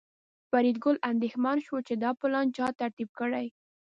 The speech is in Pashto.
فریدګل اندېښمن شو چې دا پلان چا ترتیب کړی